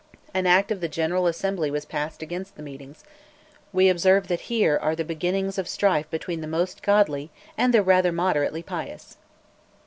An Act of the General Assembly was passed against the meetings; we observe that here are the beginnings of strife between the most godly and the rather moderately pious.